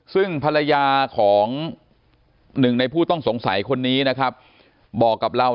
ซึ่งภรรยาของหนึ่งในผู้ต้องสงสัยคนนี้นะครับบอกกับเรา